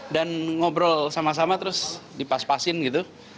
dan ngobrol sama sama terus dipas pasin gitu ya